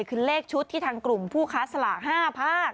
คือเลขชุดที่ทางกลุ่มผู้ค้าสลาก๕ภาค